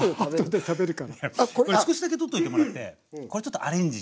いやこれ少しだけ取っといてもらってこれちょっとアレンジして。